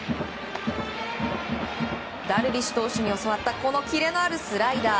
ダルビッシュ投手に教わったキレのあるスライダー。